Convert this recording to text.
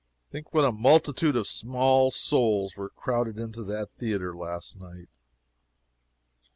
Think what a multitude of small souls were crowded into that theatre last night.